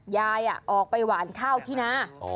ยายออกไปหวานข้าวที่นา